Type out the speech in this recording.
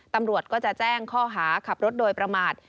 ตำรวจก็จะแจ้งข้อหาขับรถโดยประมาท